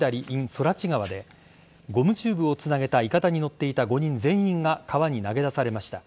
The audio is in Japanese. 空知川でゴムチューブをつなげたいかだに乗っていた５人全員が川に投げ出されました。